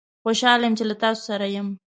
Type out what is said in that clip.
خوشحال یم چې له تاسوسره یم